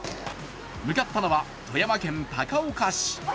向かったのは富山県高岡市。